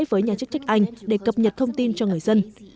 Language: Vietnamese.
với nhà chức trách anh để cập nhật thông tin cho người dân